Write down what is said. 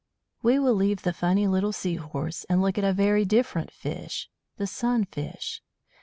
We will leave the funny little Sea horse, and look at a very different fish the Sunfish.